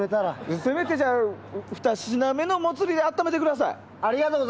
せめて２品目のモツ煮で温めてください。